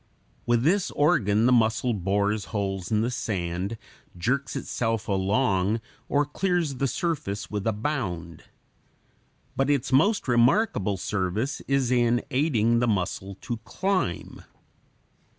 With this organ the mussel bores holes in the sand, jerks itself along, or clears the surface with a bound. But its most remarkable service is in aiding the mussel to climb.